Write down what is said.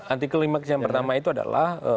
antiklimaks yang pertama itu adalah